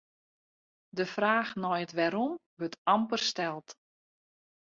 De fraach nei it wêrom wurdt amper steld.